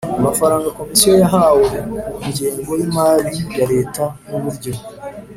Amafaranga Komisiyo yahawe ku ngengo y imari ya Leta n uburyo